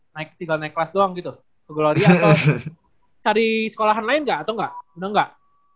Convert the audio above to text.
tinggal naik kelas doang gitu ke gloria atau cari sekolahan lain nggak atau nggak